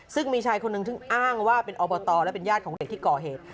ซึ่งมีชายคนหนึ่งซึ่งอ้างว่าเป็นอบตและเป็นญาติของเด็กที่ก่อเหตุ